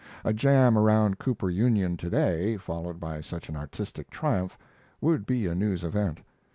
A jam around Cooper Union to day, followed by such an artistic triumph, would be a news event.